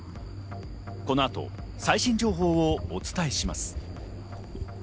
この後、最新情報をお伝えします。